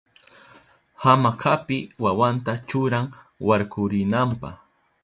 Hamakapi wawanta churan warkurinanpa.